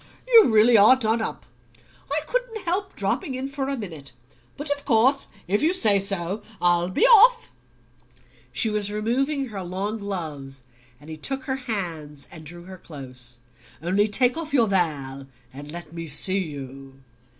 You really are done up. I couldn't help dropping in for a minute; but of course if you say so I'll be off." She was removing her long gloves and he took her hands and drew her close. "Only take off your veil, and let me see you."